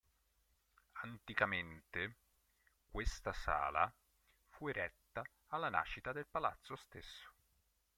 Anticamente, questa sala fu eretta alla nascita del Palazzo stesso.